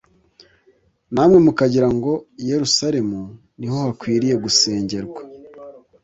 namwe mukagira ngo i Yerusalemu ni ho hakwiriye gusengerwa